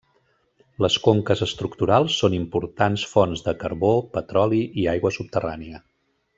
Les conques estructurals són importants fonts de carbó, petroli, i aigua subterrània.